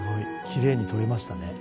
きれいに撮れましたね。